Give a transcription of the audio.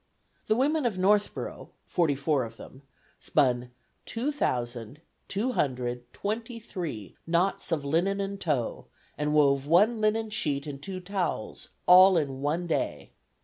The women of Northboro, forty four of them, spun two thousand, two hundred, twenty three knots of linen and tow, and wove one linen sheet and two towels, all in one day!